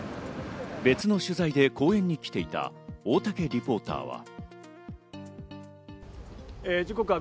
別の取材で公園に来ていた大竹リポーターは。